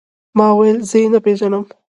ما وويل زه يې نه پېژنم.